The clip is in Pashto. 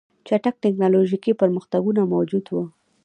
چټک ټکنالوژیکي پرمختګونه موجود وو